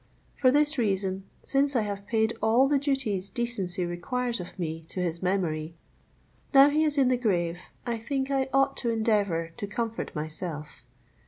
For this reason, since I have paid all the duties decency requires of me to his memory, now he is in the grave I think I ought to endeavour to comfort myself.